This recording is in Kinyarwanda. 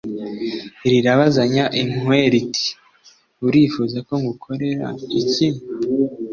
rirabazanya impuhwe riti : "Urifuza ko ngukorera iki?"